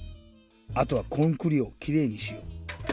あとはコンクリをきれいにしよう。